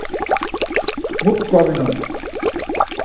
Mu ptkvaminon?